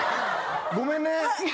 ごめんね！